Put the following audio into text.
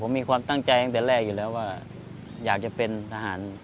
มีความตั้งใจตั้งแต่แรกอยู่แล้วว่าอยากจะเป็นทหาร